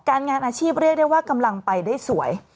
งานอาชีพเรียกได้ว่ากำลังไปได้สวย